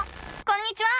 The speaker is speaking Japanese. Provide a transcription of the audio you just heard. こんにちは！